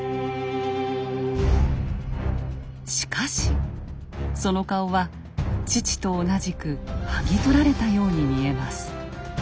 しかしその顔は父と同じくはぎ取られたように見えます。